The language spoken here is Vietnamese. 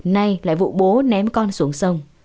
nay lại vụ bố ném con xuống sông